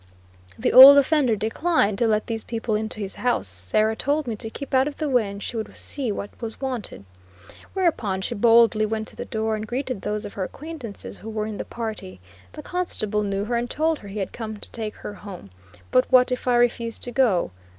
The Old Offender declined to let these people into his house; Sarah told me to keep out of the way and she would see what was wanted. Whereupon she boldly went to the door and greeted those of her acquaintances who were in the party. The constable knew her, and told her he had come to take her home. "But what if I refuse to go?"